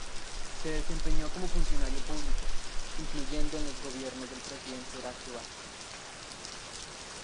Se desempeñó como funcionario público, incluyendo en los gobiernos del presidente Horacio Vásquez.